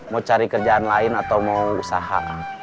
mau cari kerjaan lain atau mau usaha